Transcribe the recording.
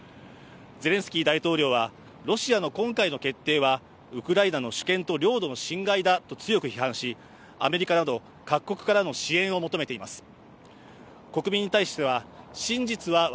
ゼレンスキー大統領は、ロシアの今回の決定はウクライナの主権と領土の侵害だと強く批判しアメリカなど各国からの支援を求めています。